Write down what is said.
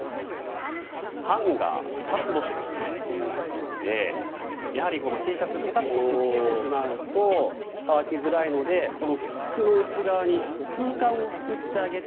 ハンガー２つ干しということでやはりＴシャツペタッとくっついてしまうと乾きづらいので服の内側に空間を作ってあげて